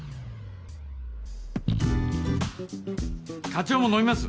課長も飲みます？